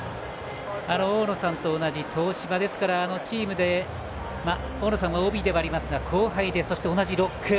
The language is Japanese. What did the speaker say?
大野さんと同じ東芝ですからチームで大野さんはＯＢではありますが後輩で、そして同じロック。